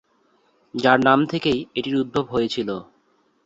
যার নাম থেকেই এটির উদ্ভব হয়েছিল।